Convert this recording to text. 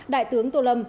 đại tướng tô lâm